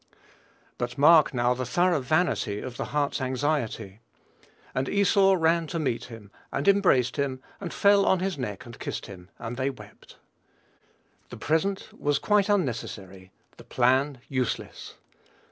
But mark now the thorough vanity of the heart's anxiety. "And Esau ran to meet him, and embraced him, and fell on his neck and kissed him; and they wept." The present was quite unnecessary, the plan useless.